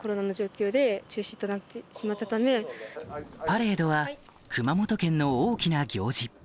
パレードは熊本県の大きな行事